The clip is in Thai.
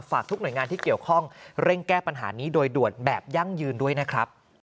ทุกหน่วยงานที่เกี่ยวข้องเร่งแก้ปัญหานี้โดยด่วนแบบยั่งยืนด้วยนะครับ